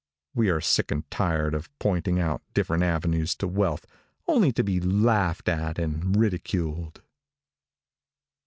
We are sick and tired of pointing out different avenues to wealth only to be laughed at and ridiculed.